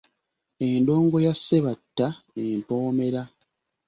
Endongo ya Ssebatta empoomera.